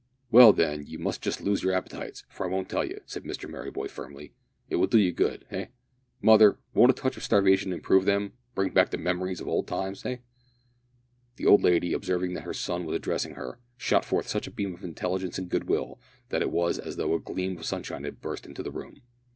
"Well, then, you must just lose your appetites, for I won't tell you," said Mr Merryboy firmly. "It will do you good eh! mother, won't a touch of starvation improve them, bring back the memory of old times eh?" The old lady, observing that her son was addressing her, shot forth such a beam of intelligence and goodwill that it was as though a gleam of sunshine had burst into the room.